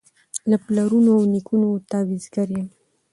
له پلرونو له نیکونو تعویذګر یم